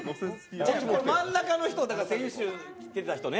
真ん中の人、先週来てた人ね。